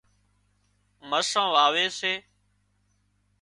مرسان واوي سي